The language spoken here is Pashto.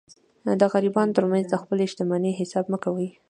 د غریبانو تر مخ د خپلي شتمنۍ حساب مه کوئ!